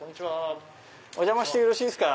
お邪魔してよろしいですか？